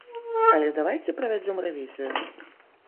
Але давайце правядзём рэвізію.